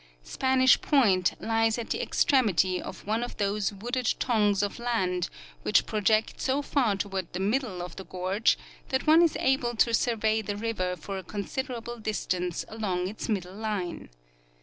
Spanish point lies at the extremity of one of those wooded tongues of land which project so far toward the middle of the gorge that one is able to survey the river for a considerable dis tance along its middle line.